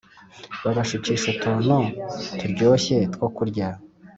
baba shukisha utuntu turyoshye two kurya